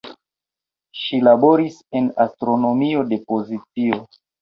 Ŝi laboris en astronomio de pozicio.